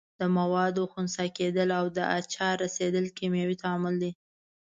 د موادو خسا کیدل او د آچار رسیدل کیمیاوي تعامل دي.